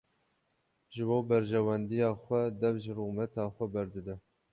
Ji bo berjewendiya xwe dev ji rûmeta xwe berdide.